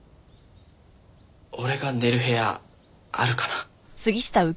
俺が寝る部屋あるかな？